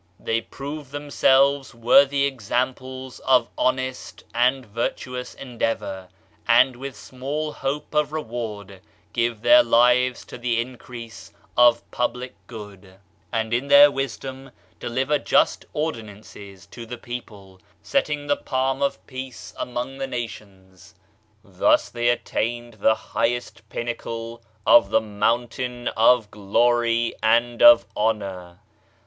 They prove themselves worthy examples of 27 Digitized by Google MYSTERIOUS FORCES honest and virtuous endeavor, and with small hope of reward give their lives to the increase of public good. And in their wisdom deliver just ordinances to the people, setting the palm of peace among the nations; thus they attain the highest pinnacle of the mountain of glory and of honor.